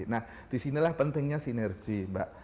nah disinilah pentingnya sinergi mbak